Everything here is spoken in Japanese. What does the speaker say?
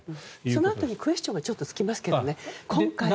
そのあとにクエスチョンがつきますけどね。